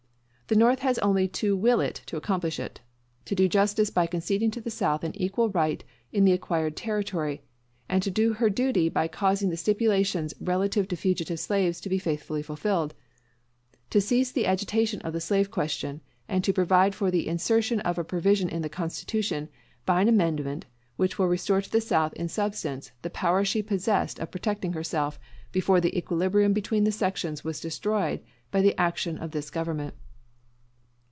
The North has only to will it to accomplish it; to do justice by conceding to the South an equal right in the acquired territory, and to do her duty by causing the stipulations relative to fugitive slaves to be faithfully fulfilled; to cease the agitation of the slave question, and to provide for the insertion of a provision in the Constitution by an amendment which will restore to the South in substance the power she possessed of protecting herself, before the equilibrium between the sections was destroyed by the action of this government.